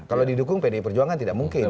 kalau didukung pdi perjuangan tidak mungkin